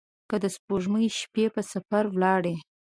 که د سپوږمۍ شپې په سفر ولاړي